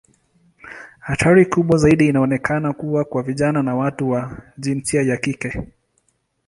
Hatari kubwa zaidi inaonekana kuwa kwa vijana na watu wa jinsia ya kike.